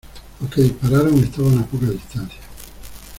los que dispararon estaban a poca distancia.